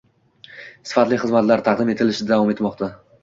sifatli xizmatlar taqdim etilishda davom etmoqda